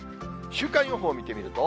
週間予報見てみると。